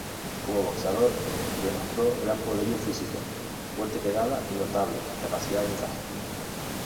Como boxeador demostró gran poderío físico, fuerte pegada y notable capacidad de encaje.